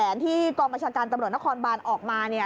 แผนที่กองมจการกำหนดนครบาลออกมาเนี่ย